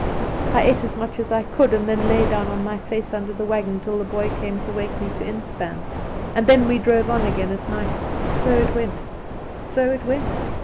"I ate as much as I could, and then lay down on my face under the wagon till the boy came to wake me to inspan, and then we drove on again all night; so it went, so it went.